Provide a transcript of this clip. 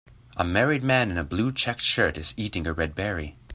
A married man in a blue checked shirt is eating a red berry.